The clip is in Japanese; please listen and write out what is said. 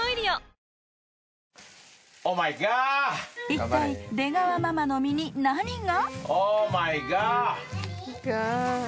［いったい出川ママの身に何が？］